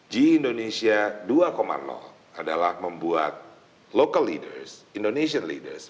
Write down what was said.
g indonesia dua adalah membuat local leaders indonesian leaders